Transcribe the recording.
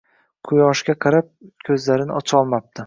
Quyoshga qarab, ko‘zlarini ocholmabdi